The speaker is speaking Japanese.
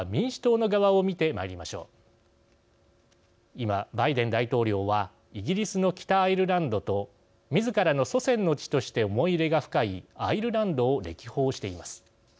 今バイデン大統領はイギリスの北アイルランドとみずからの祖先の地として思い入れが深いアイルランドを歴訪しています。